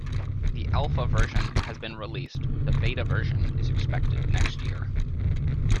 The alpha version has been released, the beta version is expected next year.